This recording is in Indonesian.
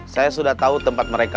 saya sudah tahu tempat mereka